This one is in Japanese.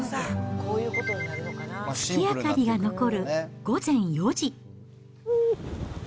月明かりが残る午前４時。